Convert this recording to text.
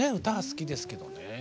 歌は好きですけどね。